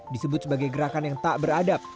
disebut sebagai gerakan yang tak beradab